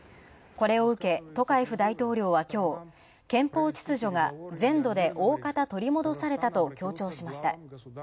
これを受けトカエフ大統領は憲法秩序が全土で大方取り戻されたと強調しました。